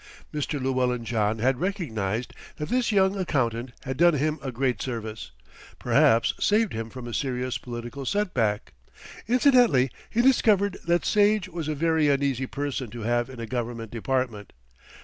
Mr. Llewellyn John had recognised that this young accountant had done him a great service, perhaps saved him from a serious political set back. Incidentally he discovered that Sage was a very uneasy person to have in a Government department.